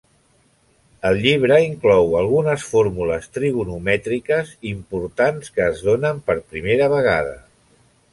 El llibre inclou algunes fórmules trigonomètriques importants que es donen per primera vegada.